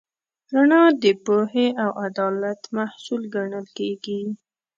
رڼا د پوهې او عدالت محصول ګڼل کېږي.